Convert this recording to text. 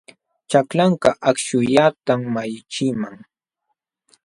Chaklanka akśhullatam malliqchiman.